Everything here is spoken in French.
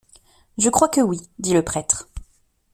Je crois que oui, dit le prêtre.